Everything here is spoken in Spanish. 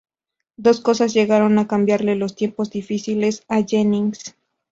Dos cosas llegaron a cambiarle los tiempos difíciles a Jennings.